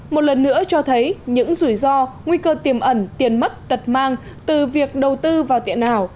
một lần nữa cho thấy những rủi ro nguy cơ tiềm ẩn tiền mất tật mang từ việc đầu tư vào tiền ảo